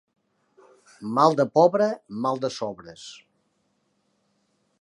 Mal de pobre, mal de sobres.